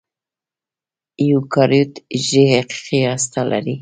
ایوکاریوت حجرې حقیقي هسته لري.